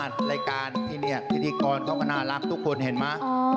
รายการที่นี่พิธีกรเขาก็น่ารักทุกคนเห็นไหม